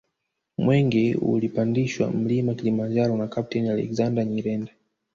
Mwenge ulipandishwa Mlima Kilimanjaro na Kapteni Alexander Nyirenda